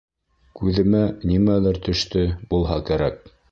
Күҙемә нимәлер төштө булһа кәрәк